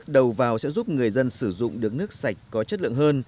đầu vào sẽ giúp người dân sử dụng được nước sạch có chất lượng hơn